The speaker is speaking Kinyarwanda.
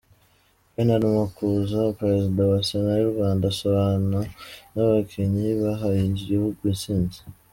Bernard Makuza perezida wa Sena y'u Rwanda asabana n'abakinnyi bahaye igihugu intsinzi.